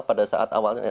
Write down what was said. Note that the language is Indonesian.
pada saat awalnya